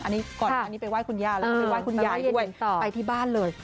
อันนี้ก่อนหน้านี้ไปไห้คุณย่าแล้วก็ไปไห้คุณยายด้วยไปที่บ้านเลย